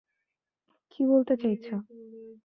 কী বলতে চাইছো?